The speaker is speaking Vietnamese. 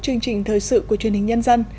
chương trình thời sự của truyền hình nhân dân